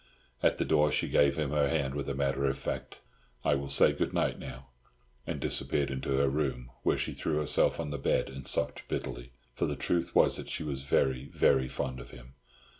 At the door she gave him her hand, with a matter of fact "I will say good night now," and disappeared into her room, where she threw herself on the bed and sobbed bitterly; for the truth was that she was very, very fond of him.